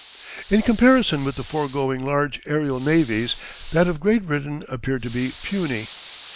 In comparison with the foregoing large aerial navies, that of Great Britain appeared to be puny.